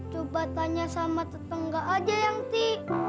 coba tanya sama tetangga aja yangti